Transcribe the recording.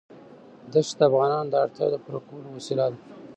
ښتې د افغانانو د اړتیاوو د پوره کولو وسیله ده.